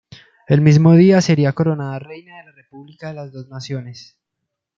El mismo día sería coronada reina de la República de las Dos Naciones.